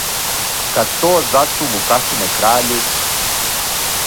Кад то зачу Вукашине краљу,